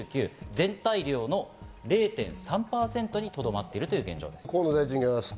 全体量の０．３％にとどまっている現状です。